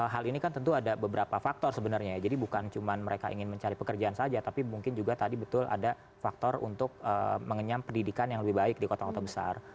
hal ini kan tentu ada beberapa faktor sebenarnya ya jadi bukan cuma mereka ingin mencari pekerjaan saja tapi mungkin juga tadi betul ada faktor untuk mengenyam pendidikan yang lebih baik di kota kota besar